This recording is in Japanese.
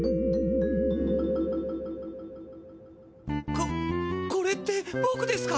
ここれってボクですか？